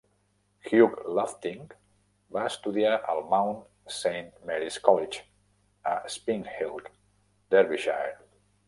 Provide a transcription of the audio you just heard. Hugh Lofting va estudiar al Mount Saint Mary's College, a Spinkhill (Derbyshire).